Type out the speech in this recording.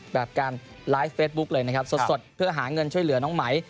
แบบการไลฟ์เฟซบุ๊คเลยนะครับสดเพื่อหาเงินช่วยเหลือน้องไหม